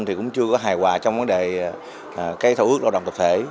thì cũng chưa có hài hòa trong vấn đề cái thỏa ước lao động tập thể